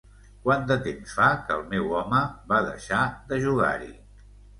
Quant de temps fa que el meu home va deixar de jugar-hi?